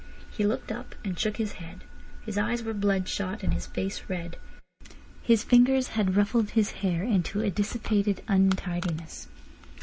He looked up, and shook his head. His eyes were bloodshot and his face red. His fingers had ruffled his hair into a dissipated untidiness.